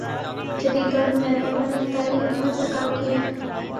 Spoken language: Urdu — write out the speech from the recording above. جدیددور میں سائنس دانوں نے اس دائرے میں بہت سا کام کیا ہے